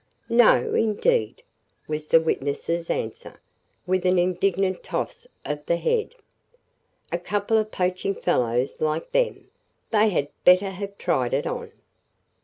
"No, indeed!" was the witness's answer, with an indignant toss of the head. "A couple of poaching fellows like them! They had better have tried it on!"